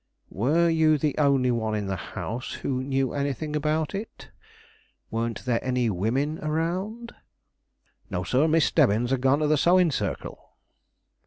"Were you the only one in the house who knew anything about it? Weren't there any women around?" "No, sir; Miss Stebbins had gone to the sewing circle."